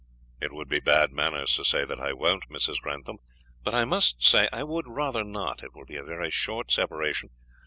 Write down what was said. "It would be bad manners to say that I won't, Mrs. Grantham; but I must say I would rather not. It will be a very short separation.